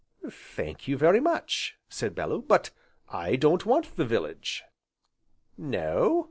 "Thank you very much," said Bellew, "but I don't want the village." "No?"